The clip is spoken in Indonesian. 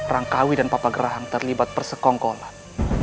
rangkawi dan papa gerahan terlibat persekongkolan